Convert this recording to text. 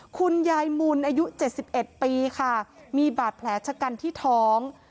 คุณยายมุนอายุ๗๑ปีค่ะมีบาดแผลชะกันที่ท้อง